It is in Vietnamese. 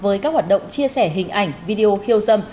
với các hoạt động chia sẻ hình ảnh video khiêu dâm